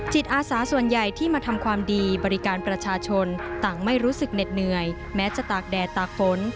อาสาส่วนใหญ่ที่มาทำความดีบริการประชาชนต่างไม่รู้สึกเหน็ดเหนื่อยแม้จะตากแดดตากฝน